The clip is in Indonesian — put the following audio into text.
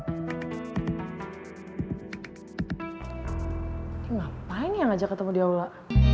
ini ngapain nih yang ngajak ketemu dia ula